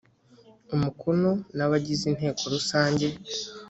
umukono n abagize inteko rusange